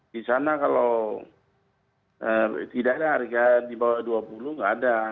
di sana kalau tidak ada harga di bawah rp dua puluh tidak ada